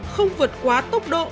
không vượt quá tốc độ